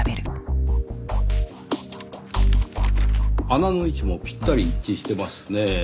穴の位置もぴったり一致してますねぇ。